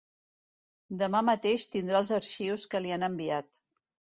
Demà mateix tindrà els arxius que li han enviat.